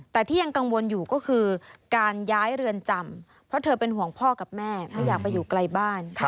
แต่ที่ยังกังวลอยู่ก็คือการย้ายเรือนจำเพราะเธอเป็นห่วงพ่อกับแม่ไม่อยากไปอยู่ไกลบ้าน